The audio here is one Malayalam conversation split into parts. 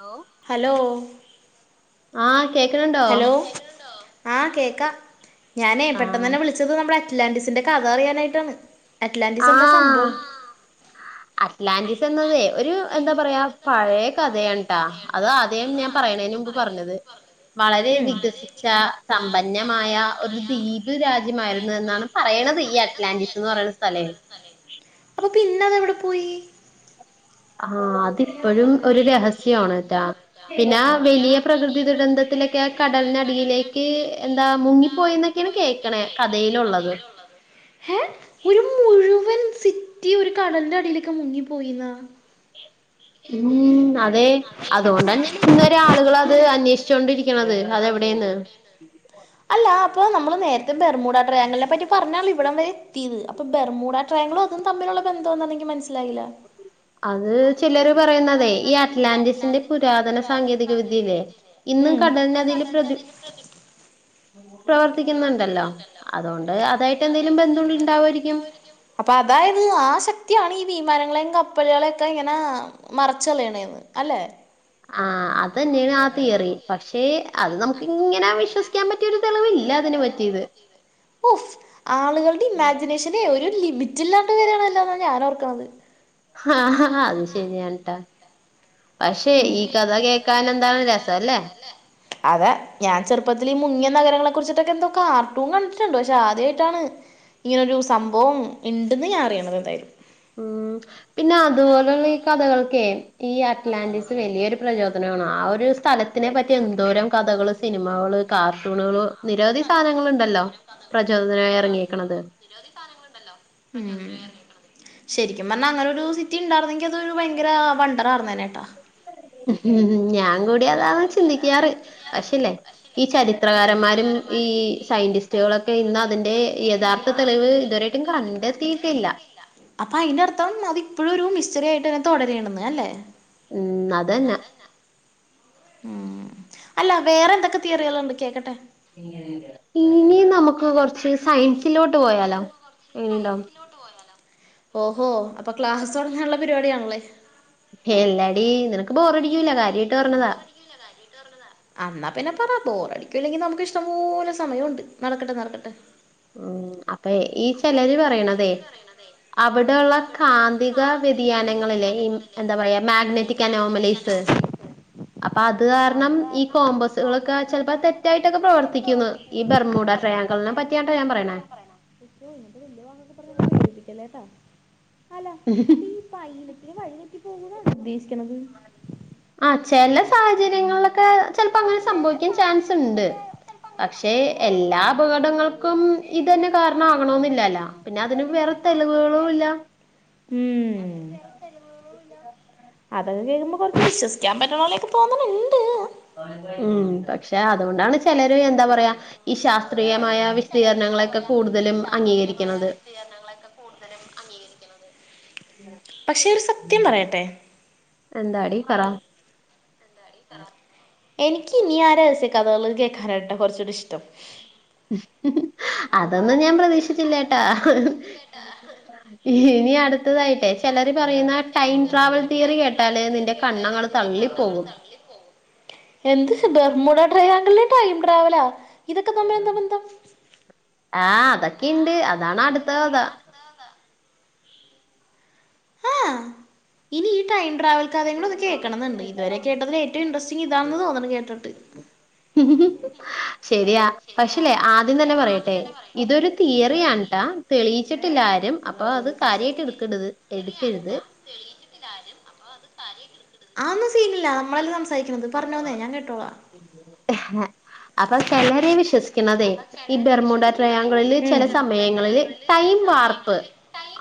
ഹലോ ഹലോ ആ കേക്കണണ്ടോ ആ കേക്കാ ഞാനേ പെട്ടെന്ന് ആഹ് തന്നെ വിളിച്ചത് നമ്മുടെ അറ്റ്ലാറ്റിസിന്റെ കഥ അറിയാനായിട്ടാണ് അറ്റ്ലാറ്റിസ് എന്താ ആഹ് സംഭവം അറ്റ്ലാന്റിസ് എന്നതേ ഒരു എന്താ പറയാ പഴേ കഥയാണ് ടോ അത് ആദ്യേം ഞാൻ പറയണതിന് മുമ്പ് പർഞ്ഞത് വളരെ ഉം വികസി ച്ചാ സമ്പന്നമായ ഒരു ദ്വീപ് രാജ്യമായിരുന്നു എന്നാണ് പറയണത് ഈ അറ്റ്ലാന്റിസ്. ന്ന് പറയണ സ്ഥലേ അതെ അപ്പൊ പിന്നെതെവിടെ പോയി ആഹ് അതി ഇപ്പോഴും ഒരു രഹസ്യാണ് ട്ടോ പിന്നെ വലിയ പ്രകൃതി ദുരന്തത്തിലൊക്കെ നാണ് കടലിനടിയിലേക്ക് ഈ എന്താ മുങ്ങിപ്പോയന്നൊക്കെണ് കേക്കണേ കഥയിലുള്ളത് ഹേ ഒരു മുഴുവൻ സിറ്റി ഒരു കടലിന്റെ അടിയിലൊക്കെ മുങ്ങിപ്പോയിന്നോ ഉം അതെ അതോണ്ടെനേണ് ഇന്ന് വരെ ആളുകൾ അത് അന്വേഷിച്ചോണ്ടിരിക്കണത് അതെവിടേന്ന് അല്ലാ അപ്പൊ നമ്മള് നേരത്തെ ബെർമൂടാട്രെയാങ്കിളിനെ പറ്റി പറഞ്ഞാണ് ഇവിടം വരെ എത്തിയത് അപ്പൊ ബെർ മൂ ആട്രെയാങ്കിളും അതും തമ്മിലുള്ള ബന്തെന്നും എന്നിക്ക് മനസ്സിലായില്ല അത് ചിലര് പറയുന്നതെ ഈ അ ഈ അറ്റ്ലാന്റിസിന്റെ പുരാതന സാങ്കേതിക വിദ്യയില്ലേ ഇന്നും ഇന്ന് കടലിനടിയില് പ്രതി കടലിനടിയിൽ ശ്രദ്ധിക്കി പ്രവർത്തിക്കുന്നുണ്ടല്ലോ അതോണ്ട് അതായിട്ട് എന്തേങ്കിലും ബെന്ധം ഇണ്ടാവായിരിക്കും അപ്പൊ അതായത് ആ ശക്തിയാണ് ഈ വിമാനങ്ങളേം കപ്പലുകളെയൊക്കെ ഇങ്ങനെ മറിച്ചളയണേന്ന് അല്ലെ ആഹ് അതന്നേണ് ആ തിയറി പക്ഷെ അത് നമുക്ക് ഇങ്ങനെ വിശ്വസിക്കാൻ പറ്റി വിശ്വസിക്കാൻ പറ്റിയൊരു തെളിവില്ല അതിനുപറ്റിയത് ഓഫ് ആളുകളുടെ ഇമാജിനേഷനെ ഒരു ലിമിറ്റില്ലാണ്ടെ വരാണല്ലോ ന്നാ ഞാൻ ഓർക്കണന്നത് ഹ ഹാ ഹാ അത് ശരിയാണ് ട്ടോ പക്ഷെ ഈ കഥ കേക്കാനെന്താണ് രസം അല്ലേ അതെ ഞാൻ ചെറുപ്പത്തിൽ ഈ മുങ്ങിയ നഗരങ്ങളെ കുറിച്ചിട്ടൊക്കെ എന്തോ കാർട്ടൂ കണ്ടിട്ടുണ്ട് പക്ഷെ ആദ്യയിട്ടാണ് ഇങ്ങനെരു സംഭവം ഇണ്ടെന്ന് ഞാൻ അറിയണത് എന്തായാലും ഉം പിന്നെ അതുപോലെയുള്ള ഈ കഥകൾക്കെ ഈ അറ്റ്ലാന്റിസ് വലിയൊരു പ്രചോദനമാണ് ആ ഒരു സ്ഥലത്ത് ഇതിനെ പറ്റി എന്തോരം കഥകള് സിനിമകള് കാർട്ടൂണുകള് നിരവധി സാധനങ്ങുണ്ടല്ലോ പ്രചോദനായി ഇറങ്ങിയെക്കണത് നിരവധി സാധനങ്ങളുണ്ടല്ലോ ഉം ശരിക്കും പറഞ്ഞാ അങ്ങനെരു സിറ്റി ഇണ്ടാർന്നെങ്കി അതൊ ഭയങ്കരവണ്ട ഇത് അവിട്ന്നെ ട്ടോ ഞാൻ കൂടി അതാണ് ചിന്തിക്കാറ് പക്ഷേ ല്ലെ ഈ ചരിത്രകാരന്മാരും ഈ സയ്‌ന്റിസ്റ്റുകളൊക്കെ ഇന്ന് അതിന്റെ യഥാർത്ഥ തെളിവ് ഇതുവരെ ഇ കണ്ടത്തീയിട്ടില്ല അപ്പൊ അതിന്റെറ അർഥം അതിപ്പോഴും ഒരു മിസ്റ്ററി ആയിട്ട് തന്നെ തുടരാണെന്ന് അല്ലേ ഉം അതന്നെ ഉം അല്ല വേറെ എന്തൊക്കെ തിയറികൾ ഉണ്ട് കേക്കട്ടെ ഇനി നമുക്ക് കൊറച്ച് സയൻസിലോട്ട് പോയാലോ എങ്ങനെണ്ടാവും ഓഹോ അപ്പൊ ക്ലാസ്സ് തുടങ്ങാനുള്ള പരിപാടി ആണല്ലേ എല്ലടി നിനക്ക് ബോറടിക്കൂല്ല കാര്യയിട്ട് പറഞ്ഞതാ ല്ല കാര്യയ്ട്ട് പറഞ്ഞതാ ആന്നാ പിന്നെ പറ ബോറടിക്കൂല്ലെങ്കിൽ നമുക്ക് ഇഷ്ടം പോലെ സമയോണ്ട് നടക്കട്ടെ നടക്കട്ടെ. ഉം അപ്പ ഈ ചിലര് പറയണതെ അവിടെള്ള കാന്തിക വ്യതിയാനങ്ങളിലെ ഈ എന്താ പറയാ മാഗ്നറ്റിക് അനോമലൈസ് അപ്പൊ അത് കാരണം ഈ കോംബസുകളൊക്കെ ചിലപ്പോ അത് തെറ്റായിട്ടൊക്കെ പ്രവർത്തിക്കുന്നത്. ഈ ബെർമുഡ ട്രയാങ്കിളിനെ പറ്റിയാട്ടോ ഞാൻ പറണേ [inaudible] പൈലേറ്റിന് വഴി തെറ്റി പോവുന്നാണോ ഉദ്ദേശിക്കണത് ആഹ് ചില സാഹചര്യങ്ങളിലൊക്കെ ചിലപ്പോ അങ്ങനെ സംഭവിക്കാൻ ചാൻസ് ഉണ്ട്. ശേ എല്ലാ അപകടങ്ങൾക്കും. ഇതന്നെ കാരണം അവണോനില്ലല്ലോ പിന്നെ അതിന് വേറെ തെളിവുകളുല്ല. ഉം അതൊക്കെ കേൾക്കുമ്പോ കുറച്ച് വിശ്വസിക്കാൻ പറ്റണപോലൊക്കെ തോന്നണുണ്ട്. ഉം പക്ഷെ അതുകൊണ്ടാണ് ചിലര് എന്താ പറയാ ഈ ശാസ് ത്രീയമായ വിശദീകരണങ്ങളൊക്കെ കൂടുതലും അംഗീകരിക്കണത് ത്രിയരണങ്ങളൊക്കെ കൂടുതലുംഅംഗീകരിക്കണത് പക്ഷെ ഒരു സത്യം പറയട്ടെ എന്താടി പറ എനിക്ക് ഇനി ആഹ് രഹസ്യ കഥകള് കേക്കാനാട്ടോ കുറച്ചുടി ഇഷ്ടം. അതൊന്നും ഞാൻ പ്രതീക്ഷിച്ചില്ല ട്ടാ ഇനി അടുത്തതായിട്ടേ ചിലര് പറയുന്ന ടൈം ട്രാവൽ തിയറി കേട്ടാല് നിന്റെ കണ്ണങ്ങള് തള്ളിപ്പോകും എന്ത് ബർമൂഡാട്രയാങ്കളിലെ ടൈം ട്രാവലോ ഇതൊക്കെ തമ്മിൽ എന്താ ബന്ധം? ആഹ് അതൊക്കെയുണ്ട് അതാണ് അടുത്ത കഥ ആഹ് ഇനി ഈ ടൈം ട്രാവൽ കഥകളൊന്ന് കേക്കണം എന്നണ്ട് ഇതുവരെ കേട്ടതിൽ ഏറ്റവും ഇൻറ്രസ്റ്റിംങ് ഇതാണെന്ന് തോന്നുന്നു കേട്ടിട്ട്. ശരിയാ പക്ഷേല്ലേ ആദ്യം തന്നെ പറയട്ടെ ഇതൊരു തിയറിയാണ് ട്ടാ തെളിയിച്ചിട്ടില്ലാരും അപ്പൊ അത് കാര്യായിട്ട് എടുക്കരുത് എടുക്കരുത്. ഒരു കാര്യം അപ്പൊ അത് കാര്യായിട്ട് എടുക്കരുത് അതൊന്നും സീനില്ല നമ്മളല്ലേ സംസാരിക്കുന്നത് പറഞ്ഞോന്ന് ഞാൻ കേട്ടോള്ള [inaudible] അപ്പൊ ചിലര് വിശ്വസി ക്കുന്നതേ ഈ ബെർമുഡ ട്രയാങ്കളില് ഉം ചില സമയങ്ങളിൽ ടൈം വാർപ്പ്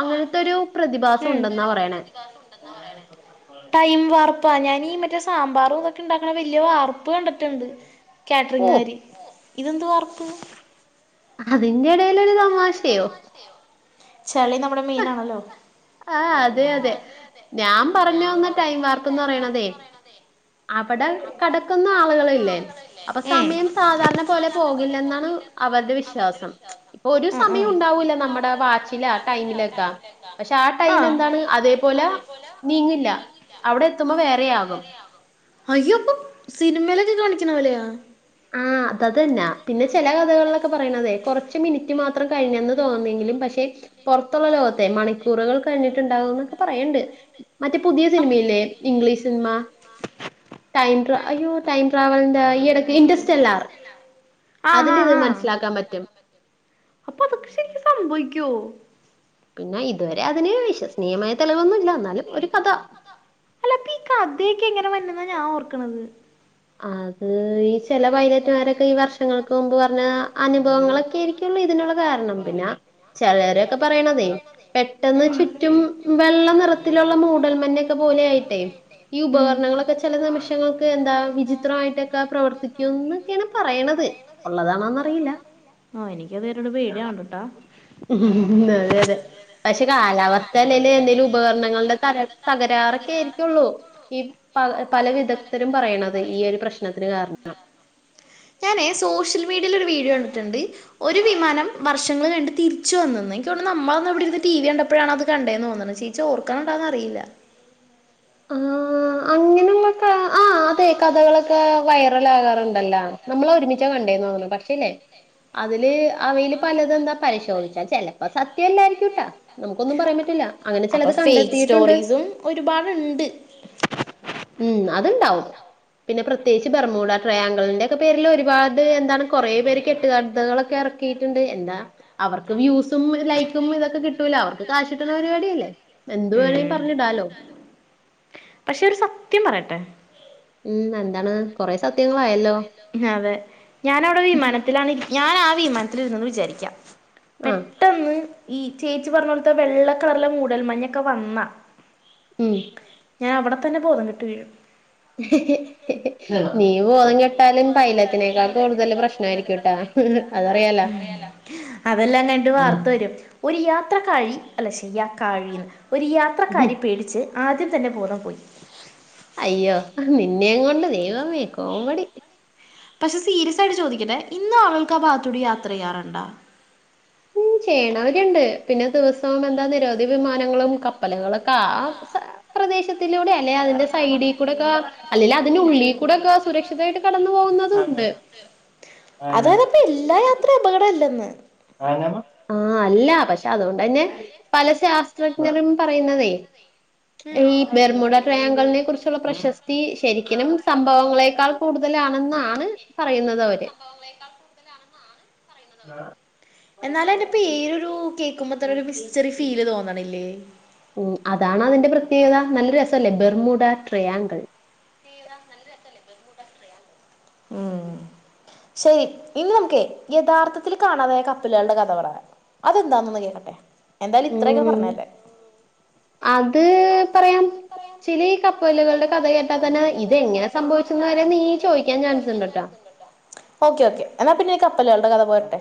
അങ്ങനത്തെൊരു പ്രതിഭാസം ഉം ഉണ്ടെന്നാ പറയണേ ടൈം വാർപ്പാ ഞാനീ മറ്റേ സാമ്പാറും ഇതൊക്കെ ഉണ്ടാക്കണ വലിയ വാർപ്പ് പ്പ് കണ്ടിട്ടുണ്ട് ഓ കാറ്ററിംഗുകാര് ഇതെന്ത് വാർപ്പ്? അതിന്റെടേലൊരു തമാശയോ ചെള്ളി നമ്മുടെ മീനാണല്ലോ ആഹ് അതെ അതെ ഞാൻ പറഞ്ഞു തന്ന ടൈം വാർപ്പെന്ന് പറയണതെ അവിടെ കടക്കുന്ന ആളുകളില്ലേ അപ്പൊ ഉം സമയം സാധാരണ പോലെ പോകില്ലെന്നാണ് അവരുടെ വിശ്വാസം. ഇപ്പോ ഒരു സമയം ഉണ്ടാവുല്ല നമ്മടെ വാച്ചിലാ ടൈമിലാക്കെ പക്ഷെ ആ ടൈം എന്താണ് അതേപോലെ നീങ്ങില്ല അവിടെ എത്തുമ്പോൾ വേറെയാകും. അയ്യോ പ്പൊ സിനിമയിലൊക്കെ കാണിക്ക്ണ പോലെയോ [unintelligible] ത്തത് ന്നാ പിന്നെ ചില കഥകളിലൊക്കെ പറയണതെ കുറച്ച് മിനിറ്റ് മാത്രം കഴിഞ്ഞന്ന് തോന്നിയെങ്കിലും പക്ഷെ പുറത്തുള്ള ലോകത്തെ മണിക്കൂറുകൾ കഴിഞ്ഞിട്ടുണ്ടാകുന്നൊക്കെ പറയ്ണ്ട് മറ്റേ പുതിയ സിനിമയില്ലേ? ഇംഗ്ലീഷ് സിനിമ ടൈംട്രാ അയ്യോ ടൈം ട്രാവലിന്റെ ഈ ഇടക്ക് ഇന്റ്റസ്റ്റല്ലാർ ആഹ് അതില് ഇത് ആഹ് ആഹ് മനസ്സിലാക്കാൻ പറ്റും. അപ്പൊ അതൊക്കെ ശെരിക്കും സംഭവിക്കുവോ? പിന്നെ ഇത് വരെ അതിന് വിശ്വസ്നീയമായ തെളിവൊന്നുല്ല. ന്നാലും ഒരു കഥ. കഥയ്ക്കെ ഇങ്ങനെവര്ന്നെന്നാ ഞാ ഓർക്ക്ണത്. അത് ഈ ചെല പൈലറ്റുമാരൊക്കെ ഈ വർഷങ്ങൾക്ക് മുമ്പ് പറഞ്ഞ അനുഭവങ്ങളൊക്കെയിരിക്കല്ലൊ ഇതിനുള്ള കാരണം. പിന്നാ ചെലരൊക്കെ പറയ്ണതെ. പെട്ടെന്ന് ചുറ്റും വെള്ള നിറത്തിലുള്ള മൂടൽമന്ന [unintelligible] പോലെയായ്ട്ടെ ഈ ഉം ഉപകരണങ്ങളൊക്കെ ചെല നിമിഷങ്ങൾക്ക് എന്താ വി ജി ത്രായിട്ടൊക്ക പ്രവർത്തിക്കുന്ന്. ക്കാണ് പറയണത്. ഉള്ളതാണോന്നറിയില്ല. ആഹ് എനിക്കത് പേടിയാണ്ട്ട്ടാ അതെ അതെ പക്ഷെ കാലാവസ്ഥ അല്ലേല് എന്തെലും ഉപകരണങ്ങളുടെ തക തകരാറൊക്കെയിരിക്കുള്ളൂ. ഇപ്പ പല വിദഗ്ധരും പറയണത്. ഈ ഒരു പ്രശ്നത്തിന് കാരണം ഞാനെ സോഷ്യൽ മീഡിയേല് ഒരു വീഡിയൊ കണ്ടിട്ട്ണ്ട്. ഒരു വിമാനം വർഷങ്ങൾ കണ്ട് തിരിച്ചു വന്നന്ന്. ഇൻക്കോണ് നമ്മളന്ന് ഇവിടെര്ന്ന് ടിവി കണ്ടപ്പഴാണ് അത് കണ്ടെന്നോന്ന് ണ്. ചി ചോർക്ക്ണണ്ടോന്ന് അറിയില്ല ആഹ് അങ്ങനെള്ളക്കാ ആഹ് അതെ കഥകളൊക്കെ വൈറലാകാറ്ണ്ടല്ലോ നമ്മളൊരുമിച്ചാ കണ്ടേന്ന് തോന്നുണു പക്ഷേല്ലേ അതില് അവില് പലത് ന്താ പരിശോധിച്ചാൽ ചെലപ്പൊ സത്യം അല്ലായിരിക്കൂട്ടാ. നമുക്കൊന്നും പറയാൻ പറ്റില്ല. അങ്ങനെ ചെലത് കണ്ടെത്തിയിട്ടുണ്ട്. ഒരു പാട്ണ്ട് ഉം. അത്ണ്ടാവും. പിന്നെ പ്രത്യേകിച്ച് ബെർമുട ട്രയാങ്കിൾ ൻ്റെ പേരിൽ ഒരുപാട് എന്താണ് കൊറെ പേര് കെട്ടുകഥകളൊക്കെ എറക്കിയിട്ട്ണ്ട്. എന്താ അവർക്കും വ്യൂസും, ലൈക്കും ഇതൊക്കെ കിട്ടൂലൊ. അവർക്ക് കാശിട്ട്ണ പരിപാടിയല്ലേ? എന്തു വേണേ പറഞ്ഞ്ടാലോ പഷെ ഒരു സത്യം പറയട്ടെ ഉം. നന്താണ് കൊറേ സത്യങ്ങളായല്ലോ? അതെ. ഞാനവടൊരു വിമാനത്തിലാണ് ഇരി ഞാനാ വിമാനത്തിലിരുന്നെന്ന് വിചാരിക്ക്യ. ആഹ് പെട്ടെന്ന് ഈ. ചേച്ചി പറഞ്ഞോൽത്തെ വെള്ള കളർള്ള മൂടൽ മഞ്ഞൊക്ക വന്നാ മ് ഞാ അവടെത്തന്നെ ബോധംകെട്ട് വീഴും. ഹ് ഹ്. നീ ബോധം കെട് റ്റാലിൻ പൈലറ്റിനേക്കാൾ കൂടുതല് പ്രശ്നായിരിക്കൂട്ടാ, അതറിയാലൊ? അതെല്ലാനൈട്ട് വാർത്തവരും. ഒരു യാത്രക്കാഴി അല്ല ശെ യാക്കാഴിന്ന് ഒരു യാത്രക്കാരി പേടിച്ച് ആദ്യംതന്നെ ബോധം പോയി. അയ്യോ. നിന്നെയുങ്ങൊണ്ട് ദൈവമേ കോമഡി. പക്ഷെ സീരിയസായിട്ട് ചോദിക്കട്ടെ. ഇന്ന് ആളുകൾക്ക് ആ ബാത്തൂടി യാത്രയ്യാറ്ണ്ടാ? ചെയ്യ്ണവര്ണ്ട്. പിന്നെ ദിവസം എന്താ നിരവധി വിമാനങ്ങളും കപ്പലുകളൊക്കെ ആഹ് സ അപ്രദേശത്തിലൂടെ അല്ലെ അതിന്റെ സൈഡികൂടക്കാ അല്ലെലും അതിന്റെ ഉള്ളികൂടൊക്ക സുരക്ഷിതായിട്ട് കടന്ന് പോകുന്നതും ഉണ്ട് അതായത് പ്പൊ എല്ലാ യാത്രയും അപകടം അല്ലെന്ന് [unintelligible] മ. ആഹ് അല്ല. പക്ഷെ അതോണ്ടെന്നെ പല ശാസ്ത്രജ്ഞരും പറയുന്നതേ ഉം ഈ ബെർമുട ട്രയാങ്കൾനെ കുറിച്ച് ക്കുള്ള പ്രശസ്തി ശരിക്കിനും സംഭവങ്ങളെക്കാൾ കൂടുതലാണെന്നാണ് പറയുന്നത വര് [unintelligible] കൂടുതലാണെന്നൊ? ആണ്. ആഹ്. എന്നാലയിന്റെ പേരൊരു കേക്കുമ്പ തെന്നൊരു മിസ്റ്ററി ഫീല് തോന്നണില്ലേ? മ്. അതാണതിന്റെ പ്രത്യേകത. നല്ലെരു രസവല്ലേ. Bermuda triangle. ആഹ്. ശരി. ഇന്ന് നമുക്കേ യഥാർത്ഥത്തിൽ കാണാതായ കപ്പല്കൾടെ കഥ പറയാം. അതെന്താന്നൊന്ന് കേക്കട്ടെ എന്തായാലും ഇത്രയൊക്കെ ഉം പറഞ്ഞല്ലേ അത് പറയാം ചില ഈ കപ്പലുകളുടെ കഥ കേട്ടാൽ തന്നെ ഇതെങ്ങനെ സംഭവിച്ച വരെ നീ ചോദിക്കാൻ ചാൻസ് ഉണ്ട് ട്ടാ ഓക്കെ ഓക്കേ എന്നാ പിന്നെ കപ്പലുകളുടെ കഥ പോരട്ടെ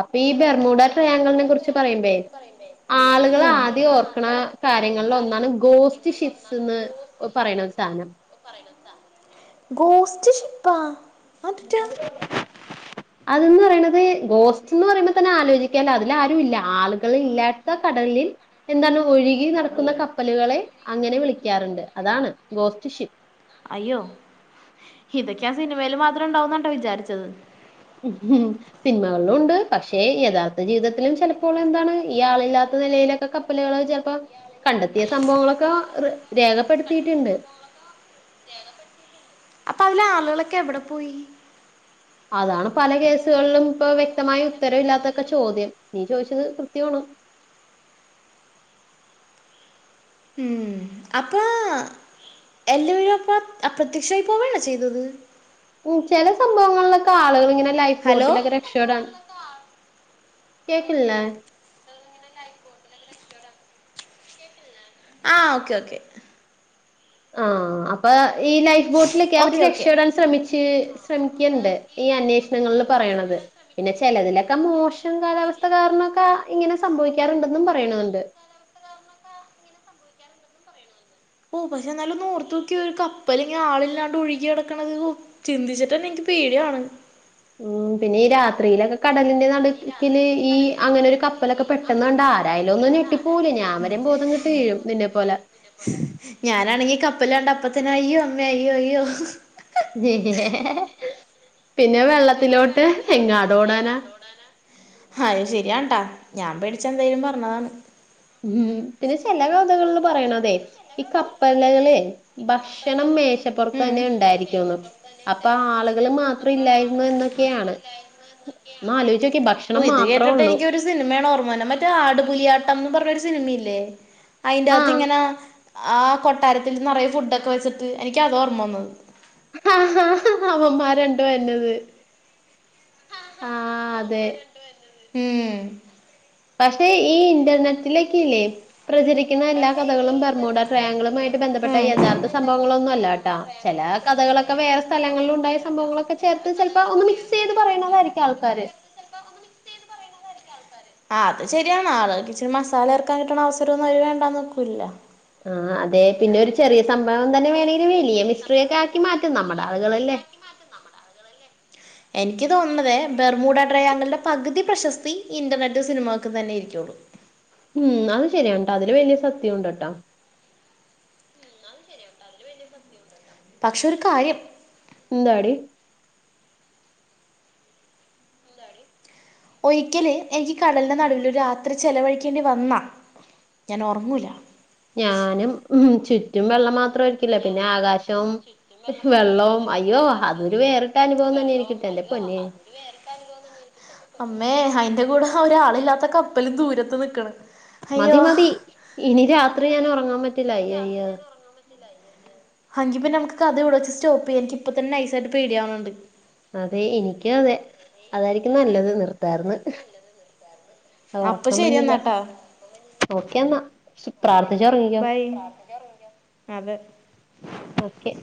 അപ്പൊ ഈ ബെർമുട ട്രയാങ്കിളിനെ കുറിച്ച് പറയുമ്പേ അപ്പൊ ആളുകൾ ആദ്യം ഓർക്ക്ണ കാര്യങ്ങളിൽ ഒന്നാണ് ഗോസ്റ്റ് ഷിപ്സ്ന്ന് പറയണ സാധനം ഗോസ്റ്റ് ഷിപ്പാ അതെറ്റാ [inaudible] [inaudible] അതന്ന് പറയണത് ഗോസ്റ്റ്ന്ന് പറയുമ്പോ തന്നെ ആലോചിക്കാല അതില ആരും ഇല്ല ആളുകൾ ഇല്ലാത്ത കടലിൽ എന്താണ് ഒഴുകി നടക്കുന്ന കപ്പലുകളെ അങ്ങനെ വിളിക്കാറുണ്ട് അതാണ് ഗോസ്റ്റ്ഷിപ്പ അയ്യോ ഇതൊക്കെയ ആ സിനിമൽ മാത്രം ഉണ്ടാവന്നട്ടോ വിചാരിച്ചത് ഉം സിനിമകളിലും ഉണ്ട് പക്ഷേ യഥാർത്ഥ ജീവിതത്തിലും ചിലപ്പോൾ എന്താണ് ഈ ആളില്ലാത്ത നിലയിലൊക്കെ കപ്പല് പ്പല്കള് ചെലപ്പോ കണ്ടെത്തിയ സംഭവങ്ങളൊക്കെ രേഖപ്പെടുത്തിയിട്ടുണ്ട് അപ്പൊ അതിലെ ആളുകളൊക്കെ എവിടെ പോയി അതാണ് പല കേസുകളിലും ഇപ്പൊ വ്യക്തമായ ഉത്തരവില്ലാത്തൊക്കെ ചോദ്യം നീ ചോദിച്ചത് കൃത്യമാണ് ഇമ് അപ്പ എല്ലാവരും അപ്പ അപ്രത്യക്ഷമായിപ്പോവേണോ ചെയ്തത് ഉ ചില സംഭവങ്ങളിലൊക്കെ ആളുകൾ ഇങ്ങനെ ലൈഫ് ഹലോ ബോട്ടിലൊക്കെ അക്ഷരാ കേക്കില്ലെ ആഹ് ഓക്കെ ഓക്കെ ആ അപ്പൊ ഈ ലൈഫ് ബോട്ടിലൊക്കെ അവര് ഓക്കെ ഓക്കെ രക്ഷപ്പെടാൻ ശ്രമിച്ചു ശ്രമിക്കണ്ട് ഈ അന്വേഷണങ്ങളിൽ പറയണത് പിന്നെ ചെലതിലൊക്കെ മോശം കാലാവസ്ഥ കാരണം ഒക്കെ ഇങ്ങനെ സംഭവിക്കാറുണ്ടെന്നും പറയണുന്നുണ്ട് ഓ പക്ഷെ എന്നല്ലും നോർത്ത് നോക്കി ഒരു കപ്പല ഇങ്ങ ആളില്ലാണ്ട് ഒഴുകി നടക്ക്ണത് ചിന്തിച്ചിട്ടന്നെ എനിക്ക് പേടിയാകണ് പിന്നെ ഈ രാത്രിയിലൊക്കെ കടലിന്റെ നടുക്കില് ഈ അങ്ങനെ ഒരു കപ്പലൊക്കെ പെ പെട്ടന്നണ്ട ആരായാലും ഒന്നു ഞെട്ടിപ്പോകൂലേ ഞൻ വരെയും ബോധം കേട്ട് വീഴും നിന്നെ പോലെ ഞാനാണെങ്കി കപ്പല് കണ്ട അപ്പത്തന്നെ അയ്യോ അമ്മേ അയ്യോ അയ്യോ പിന്നെ വെള്ളത്തിലോട്ട് എങ്ങാട് ഓടാനാ ആഹ് അത് ശരിയാൺട്ടാ ഞാൻ പേടിച്ച എന്തായലും പറഞ്ഞതാണ് ഉം പിന്നെ ചില കവിതകളിൽ പറയണതെ ഈ കപ്പലു കളിളെ ഭക്ഷണം മേശപ്പുറത്ത് ഉം തന്നെ ഉണ്ടായിരിക്കും അപ്പൊ ആളുകൾ മാത്രം ഇല്ലായിരുന്നു എന്നൊക്കെയാണ് ഒന്ന് ആലോചിച്ചോക്കി ഓ ഭക്ഷണം ഇത് മാത്രേ കേട്ടിട്ട് ഉള്ളൂ എനിക്കൊരു സിനിമയാണ് ഓർമ വന്നേ മറ്റേ ആടുപുലിയാട്ടംന്ന് പറഞ്ഞൊ ഒരു സിനിമയില്ലേ അതിന്റെ അകത്ത് ആഹ് ഇങ്ങനെ ആ കൊട്ടാരത്തിൽ നിറയ ഫുഡൊക്കെ വെച്ചിട്ട് എനിക്ക് അതാ ഓർമ്മ വന്നത് ആ ഹാ ഹാ അവന്മാര് രണ്ട് വന്നത് ആഹ് അതെ ഇമ് പക്ഷെ ഈ ഇന്റർനെറ്റിലേക്കില്ലേ പ്രചരിക്കുന്ന എല്ലാ കഥകളും ബർമുട ട്രയങ്ങളുമായിട്ട് ബന്ധപ്പെട്ട യഥാർത്ഥ സംഭവങ്ങളൊന്നും അല്ല കേട്ടാ. ചില കഥകളൊക്കെ വേറെ സ്ഥലങ്ങളിലുണ്ടായ സംഭവങ്ങളൊക്കെ ചേർത്ത്. ചിലപ്പോ ഒന്ന് മിക്സ് ചെയ്ത് പറയുന്നതായിരിക്കും ആൾക്കാര്. ആഹ് അത് ശരിയാണ് ആള്കൾക്കിച്ചിരി മസാല ഇറക്കാൻ കിട്ടണ അവസരൊന്നും അവര് വേണ്ടാന്ന് വക്കൂലല്ലോ ആ അതെ പിന്നെ ഒരു ചെറിയ സംഭവം തന്നെ വേണമെങ്കിൽ വലിയ മിസ്ട്രിയ ഒക്കെ ആക്കി മാറ്റും നമ്മുടെ ആളുകളല്ലേ എനിക്ക് തോന്നുന്നതേ ബെർമൂഡട്രയാൻക്ലിന്റെ പകുതി പ്രശസ്തി ഇൻ്റർനെറ്റ് സിനിമക്ക് തന്നെ ഇരിക്കുകയുള്ളൂ ഉം അത് ശരിയാണ്‌ട്ടോ അതില് വലിയ സത്യം ഉണ്ട് ട്ടോ പക്ഷേ ഒരു കാര്യം ഇന്താടി ഒരിക്കല് എനിക്ക് കടലിന്റെ നടുവില് രാത്രി ചെലവഴിക്കേണ്ടി വന്നാ ഞാൻ ഉറങ്ങൂല ഞാനും ചുറ്റും വെള്ളം മാത്രമായിരിക്കും ല്ല പിന്നെ ആകാശം വെള്ളം അയ്യോ അതൊരു വേറിട്ട അനുഭവം തന്നെയാനിക്കട്ടെ എന്റെ പൊന്നെ. [inaudible] അമ്മേ അയിന്റെ കൂടെ ഒരാളില്ലാത്ത കപ്പലും ദൂരത്ത് നിക്ക്ണ്. മതി മതി ഇനി രാത്രി ഞാൻ ഒറങ്ങാൻ പറ്റില്ല അയ്യയ്യോ. എങ്കിപ്പിന്നെ നമുക്ക് കഥ ഇവിടച്ച് സ്റ്റോപ്പ് ചെയാം എനിക്ക്പ്പ തന്നെ നൈസായിട്ട് പടിയാവ്ണ്ട്. അതെ എനിക്കും അതെ അതായിരിക്കും നല്ലത് നിർത്താർന്ന്. അപ്പൊ ഒറക്കം ശരി വര്ണില്ല എന്നാട്ടാ ഓക്കെന്നാ പ്രാർത്ഥിച്ച് ഒറങ്ങിക്കോ ബൈ. അതെ ഓക്കെ